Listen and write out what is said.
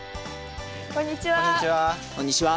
こんにちは。